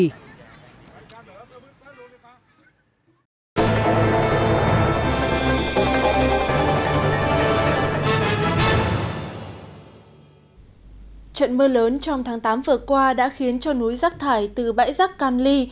trận mưa lớn trong tháng tám vừa qua đã khiến cho núi rắc thải từ bãi rắc cam ly